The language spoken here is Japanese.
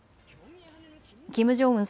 キム・ジョンウン